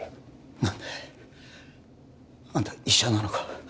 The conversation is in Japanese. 何であんた医者なのか？